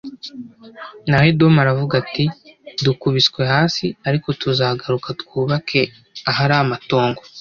Naho Edomu aravuga ati “Dukubiswe hasi ariko tuzagaruka twubake ahari amatongo.”